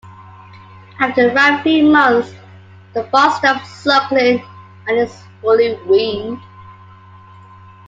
After around three months, the fawn stops suckling and is fully weaned.